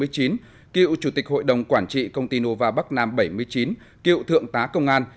cựu chủ tịch hội đồng quản trị công ty nova bắc nam bảy mươi chín cựu thượng tá công an